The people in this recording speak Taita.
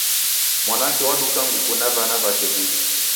Mwanake waduka nguku na vana vake viw'i.